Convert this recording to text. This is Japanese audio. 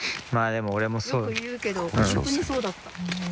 よく言うけど本当にそうだった。